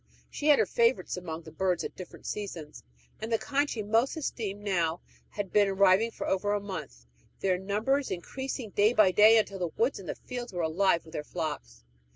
She had her favorites among the birds at different seasons, and the kind she most esteemed now had been arriving for over a month, their numbers increasing day by day until the woods and fields were alive with their flocks.